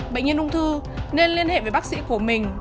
bệnh nhân ung thư nên liên hệ với bác sĩ của mình